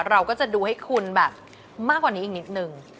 เราก็จะดูให้คุณแบบมากกว่านี้อีกนิดนึง